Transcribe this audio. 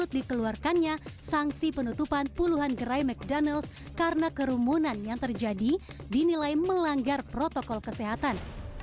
dikeluarkannya sanksi penutupan puluhan gerai ⁇ cdonalds karena kerumunan yang terjadi dinilai melanggar protokol kesehatan